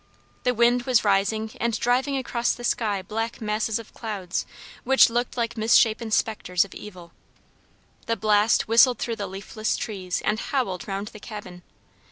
The wind was rising and driving across the sky black masses of clouds which looked like misshapen specters of evil. The blast whistled through the leafless trees and howled round the cabin.